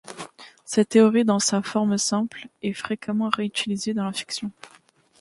Cette théorie dans sa forme simple est fréquemment réutilisée dans la fiction.